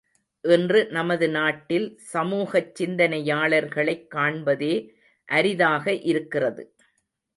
இன்று நமது நாட்டில் சமூகச் சிந்தனையாளர்களைக் காண்பதே அரிதாக இருக்கிறது.